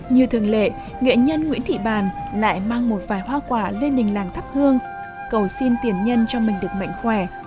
như thường lệ nghệ nhân nguyễn thị bàn lại mang một vài hoa quả lên đỉnh làng thắp hương cầu xin tiền nhân cho mình được mạnh khỏe